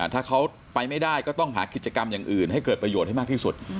ถ้าเขาไปไม่ได้ก็ต้องหากิจกรรมอย่างอื่นให้เกิดประโยชน์ให้มากที่สุด